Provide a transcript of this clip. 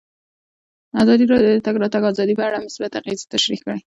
ازادي راډیو د د تګ راتګ ازادي په اړه مثبت اغېزې تشریح کړي.